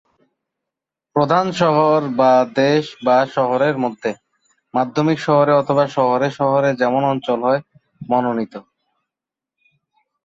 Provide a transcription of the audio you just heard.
প্রধান শহর বা দেশ-বা শহরের মধ্যে মাধ্যমিক শহরে অথবা শহরে শহরে যেমন অঞ্চল-হয় মনোনীত।